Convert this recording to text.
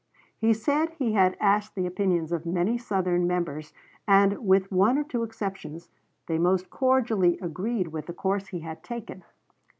He said he had asked the opinions of many Southern Members, and, with one or two exceptions, they most cordially agreed with the course he had taken.